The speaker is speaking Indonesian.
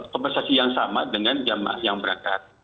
kompensasi yang sama dengan jamaah yang berangkat